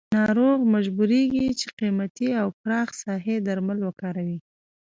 ناروغ مجبوریږي چې قیمتي او پراخ ساحې درمل وکاروي.